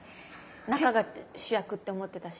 中が主役って思ってたし。